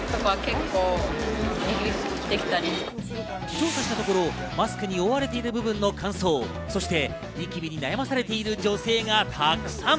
調査したところ、マスクに覆われている部分の乾燥、そしてニキビに悩まされている女性がたくさん。